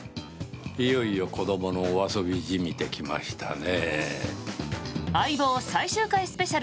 いよいよ子どものお遊びじみてきましたね。